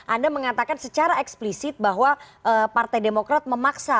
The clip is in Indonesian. anda mengatakan secara eksplisit bahwa partai demokrat memaksa